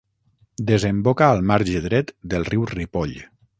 Desemboca al marge dret del riu Ripoll.